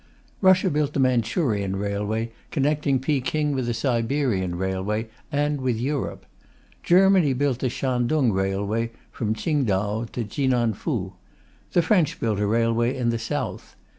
Russia built the Manchurian Railway, connecting Peking with the Siberian Railway and with Europe. Germany built the Shantung Railway, from Tsingtau to Tsinanfu. The French built a railway in the south.